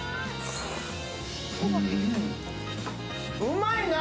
うまいな！